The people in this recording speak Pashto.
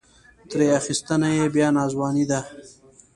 ترې اخیستنه یې بیا ناځواني ده.